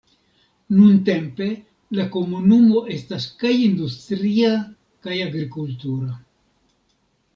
Nuntempe, la komunumo estas kaj industria kaj agrikultura.